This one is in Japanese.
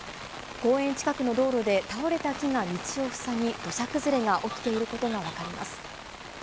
公園近くの道路で倒れた木が道を塞ぎ、土砂崩れが起きていることが分かります。